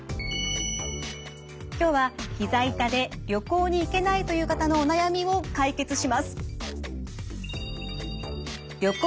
今日はひざ痛で旅行に行けないという方のお悩みを解決します。